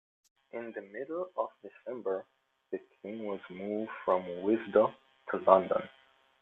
In the middle of December, the King was moved from Windsor to London.